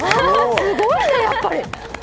すごいね、やっぱり。